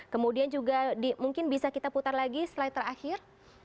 kemudian juga mungkin bisa kita putar lagi slide terakhir